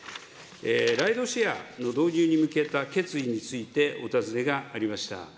ライドシェアの導入に向けた決意についてお尋ねがありました。